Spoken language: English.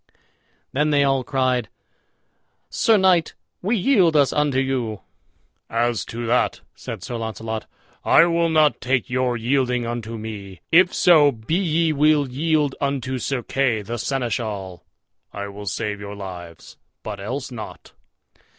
Then they all cried, "Sir knight, we yield us unto you." "As to that," said Sir Launcelot, "I will not take your yielding unto me. If so be ye will yield you unto Sir Kay the Seneschal, I will save your lives, but else not."